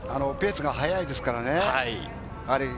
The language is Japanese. ペースが速いですからね。